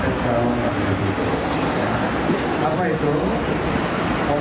tidak ada alat tambahan